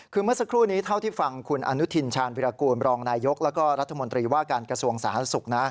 คือเมื่อสักครู่นี้เท่าที่ฟังคุณอนุทินชาญวิรากูลรองนายยกแล้วก็รัฐมนตรีว่าการกระทรวงสาธารณสุขนะ